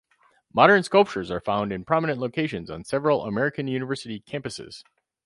Modern sculptures are found in prominent locations on several American university campuses.